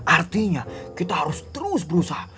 artinya kita harus terus berusaha